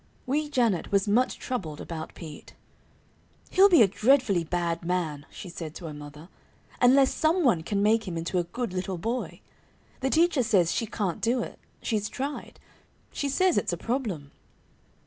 Wee Janet was much troubled about Pete. "He'll be a dreadfully bad man," she said to her mother, "unless someone can make him into a good little boy. The teacher says she can't do it she's tried. She says it's a problem."